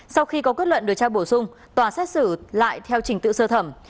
sau khi có kết luận điều tra bổ sung tòa xét xử lại theo trình tự sơ thẩm